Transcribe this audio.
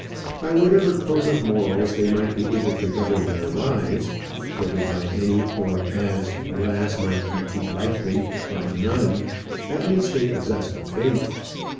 By whatever code of morals they might be able to govern their lives, whether by any, or as, alas! might be too likely, by none, at least they possessed a faith.